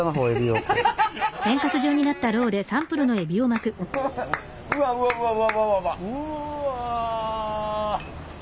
うわ！